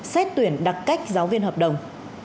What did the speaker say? xét tuyển đặc cách giáo viên hợp đồng